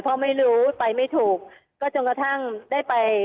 เพราะไม่รู้ไปไม่ถูกก็จนกระทั่งได้ไป